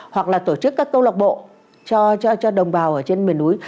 hoặc là tổ chức các câu lạc bộ cho đồng bào ở trên miền núi